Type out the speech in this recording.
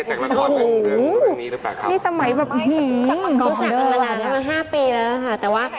แล้วจริงแล้วสนิทกันเนี่ยแต่ละครเป็นครั้งนี้หรือเปล่า